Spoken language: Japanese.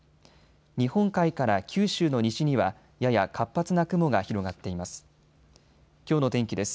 日本海から九州の西にはやや活発な雲が広がっています。